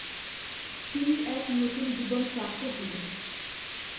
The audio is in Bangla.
তিনি এক নতুন জীবন প্রাপ্ত হলেন।